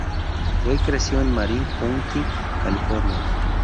Huey creció en Marin County, California.